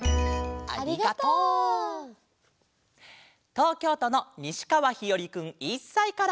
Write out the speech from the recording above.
とうきょうとのにしかわひよりくん１さいから。